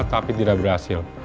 tapi tidak berhasil